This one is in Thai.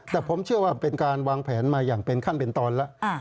แต่ผมเชื่อว่าเป็นการวางแผนมาอย่างเป็นขั้นเป็นตอนแล้ว